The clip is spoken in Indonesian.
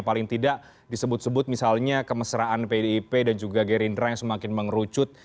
paling tidak disebut sebut misalnya kemesraan pdip dan juga gerindra yang semakin mengerucut